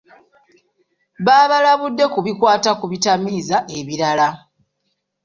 Babalabudde ku bikwata ku bitamiiza ebirala.